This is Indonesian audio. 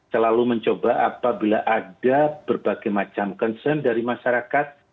selalu mencoba apabila ada berbagai macam concern dari masyarakat